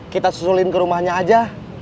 kita susulin ke rumahnya aja